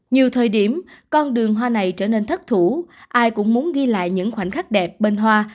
nhiều thời điểm con đường hoa này trở nên thất thủ ai cũng muốn ghi lại những khoảnh khắc đẹp bên hoa